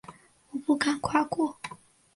我不敢跨过